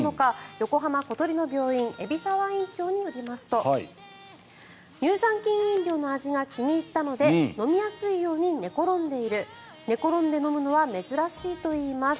横浜小鳥の病院海老沢院長によりますと乳酸菌飲料の味が気に入ったので飲みやすいように寝転んでいる寝転んで飲むのは珍しいといいます。